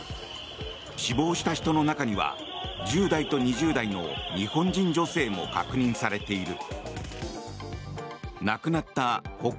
死亡した人の中には１０代と２０代の日本人女性も確認されている。